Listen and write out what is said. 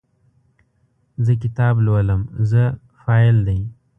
زه کتاب لولم – "زه" فاعل دی.